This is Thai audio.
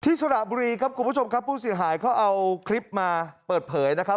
สระบุรีครับคุณผู้ชมครับผู้เสียหายเขาเอาคลิปมาเปิดเผยนะครับ